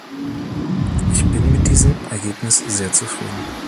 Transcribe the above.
Ich bin mit diesem Ergebnis sehr zufrieden.